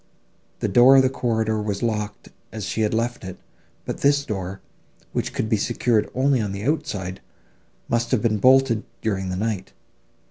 The door of the corridor was locked as she had left it, but this door, which could be secured only on the outside, must have been bolted, during the night.